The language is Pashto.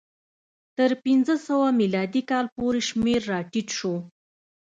تر پنځه سوه میلادي کاله پورې شمېر راټیټ شو.